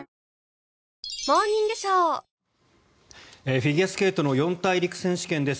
フィギュアスケートの四大陸選手権です。